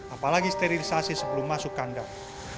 apalagi sterilisasi sebelum masuk kandang